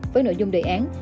với nội dung đề án